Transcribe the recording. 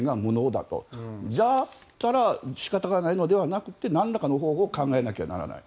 だったら仕方がないのではなくてなんらかの方法を考えなきゃならない。